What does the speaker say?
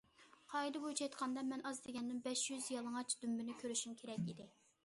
قائىدە بويىچە ئېيتقاندا، مەن ئاز دېگەندىمۇ بەش يۈز يالىڭاچ دۈمبىنى كۆرۈشۈم كېرەك ئىدى.